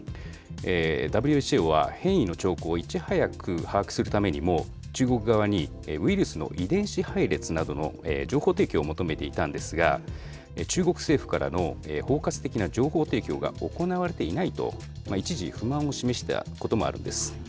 ＷＨＯは、変異の兆候をいち早く把握するためにも、中国側にウイルスの遺伝子配列などの情報提供を求めていたんですが、中国政府からの包括的な情報提供が行われていないと、一時、不満を示したこともあるんです。